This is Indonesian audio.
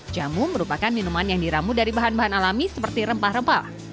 jamu merupakan minuman yang diramu dari bahan bahan alami seperti rempah rempah